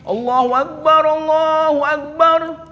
allahu akbar allahu akbar